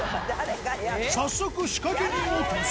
早速、仕掛け人を塗装。